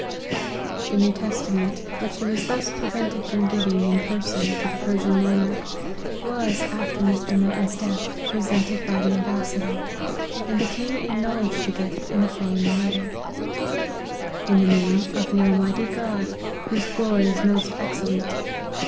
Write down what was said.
The New Testament, which he was thus prevent ed from giving, in person, to the Persian monarch, was, after Mr. Martyn's death, presented by the ambassador ; and the king acknowledged the gift in the following letter :" In the name of the Almighty God, whose glory is most excellent.